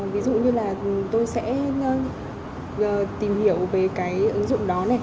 ví dụ như là tôi sẽ tìm hiểu về cái ứng dụng đó này